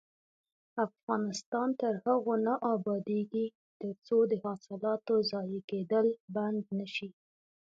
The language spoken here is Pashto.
افغانستان تر هغو نه ابادیږي، ترڅو د حاصلاتو ضایع کیدل بند نشي.